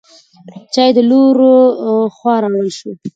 چای د لور له خوا راوړل شو.